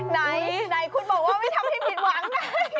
ไหนไหนคุณบอกว่าไม่ทำให้ผิดหวัง